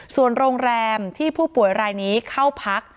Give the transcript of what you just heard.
ส่วนโรงแรมที่ผู้ป่วยรายนี้เข้าพัก